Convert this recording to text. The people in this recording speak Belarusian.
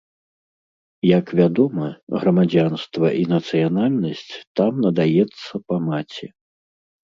Як вядома, грамадзянства і нацыянальнасць там надаецца па маці.